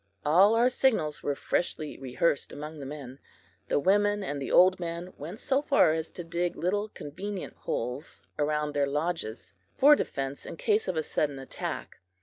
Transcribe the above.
All our signals were freshly rehearsed among the men. The women and old men went so far as to dig little convenient holes around their lodges, for defense in case of a sudden attack.